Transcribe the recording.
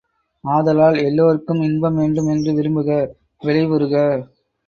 ஆதலால், எல்லோருக்கும் இன்பம் வேண்டும் என்று விரும்புக, விழைவுறுக!